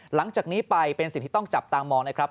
หลังจากนี้ไปเป็นสิ่งที่ต้องจับตามองนะครับ